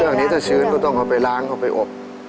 อย่างนี้ถ้าชื้นก็ต้องเอาไปล้างเอาไปอบ